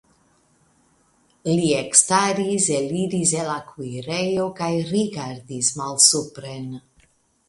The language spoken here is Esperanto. Li ekstaris, eliris el la kuirejo kaj rigardis malsupren.